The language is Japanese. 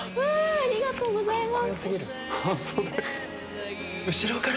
ありがとうございます！